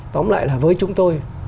tóm lại là với chúng tôi